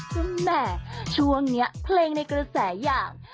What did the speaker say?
ก็แหมช่วงเนี่ยเพลงในกระแสอย่าง